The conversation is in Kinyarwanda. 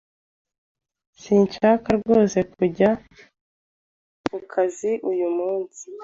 Sinshaka rwose kujya ku kazi uyu munsi.